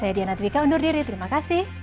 saya diana twika undur diri terima kasih